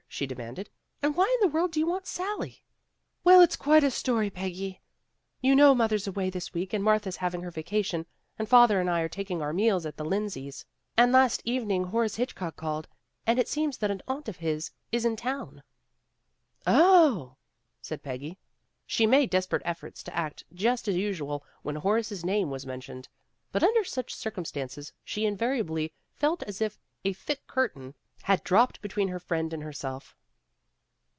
she demanded. "And why in the world do you want Sally?" "Well, it's quite a story, Peggy. You know Mother's away this week and Martha's having her vacation, and Father and I are taking our meals at the Lindsays. And last evening Horace Hitchcock called, and it seems that an aunt of his is in town." 146 PEGGY RAYMOND'S WAY "Oh!" said Peggy. She always made des perate efforts to act just as usual when Horace's name was mentioned, but under such circumstances she invariably felt as if a thick curtain had dropped between her friend and herself.